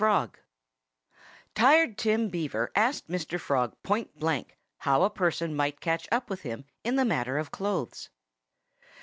FROG Tired Tim Beaver asked Mr. Frog point blank how a person might catch up with him in the matter of clothes.